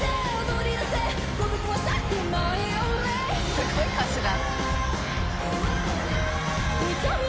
すごい歌詞だ。